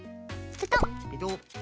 ペトッ。